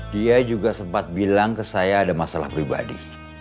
dia juga sempat bilang ke saya ada masalah pribadi